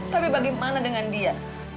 tapi bagaimana dengan dia